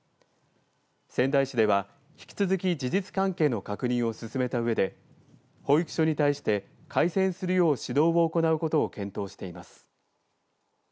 仙台市では引き続き事実関係の確認を進めたうえで保育所に対して改善するよう指導を行うことを検討しています。